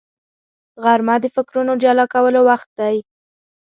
غرمه د فکرونو جلا کولو وخت دی